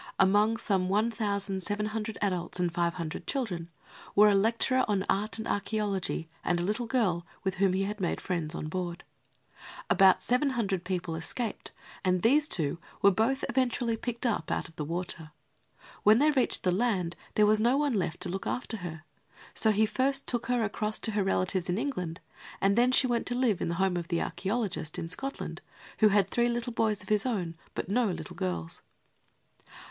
Among some 1700 adults and 500 children were a lecturer on art and archaeology and a little girl, with whom he had made friends on board. About 700 people escaped and these two were both eventually picked up out of the water. When they reached the land there was no one left to look after her; so he first took her across to her relatives in England and then she went to live in the home of the archaeologist, in Scotland, who had three little boys of his own but no little girls.